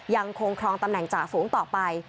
ยังคงครองตำแหน่งจ่าฝูงต่อไป